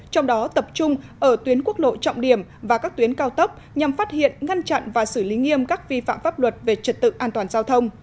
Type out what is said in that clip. trong đó tập trung ở tuyến quốc lộ trọng điểm và các tuyến cao tốc nhằm phát hiện ngăn chặn và xử lý nghiêm các vi phạm pháp luật về trật tự an toàn giao thông